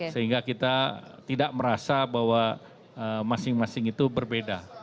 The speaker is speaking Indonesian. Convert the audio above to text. sehingga kita tidak merasa bahwa masing masing itu berbeda